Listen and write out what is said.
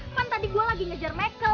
kan tadi gua lagi ngejar mekel nih